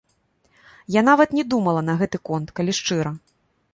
Я нават не думала на гэты конт, калі шчыра.